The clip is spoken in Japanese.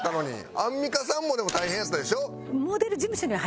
アンミカさんもでも大変やったでしょ？